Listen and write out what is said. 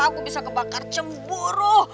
aku bisa kebakar cemburu